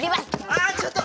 あちょっと！